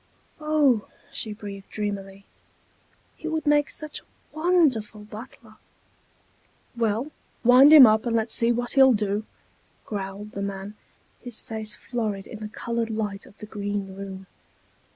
"Oh!" she breathed dreamily. "He would make such a wonderful butler." "Well, wind him up and let's see what he'll do," growled the man, his face florid in the colored light of the Green Room.